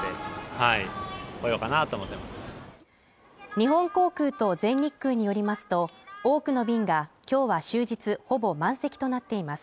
日本航空と全日空によりますと、多くの便が終日、ほぼ満席となっています。